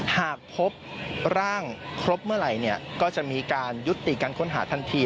หากพบร่างครบเมื่อไหร่ก็จะมีการยุติการค้นหาทันที